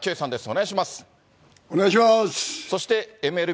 お願いします。